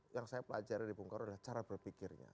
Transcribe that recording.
yang saya pelajari dari bung karno adalah cara berpikirnya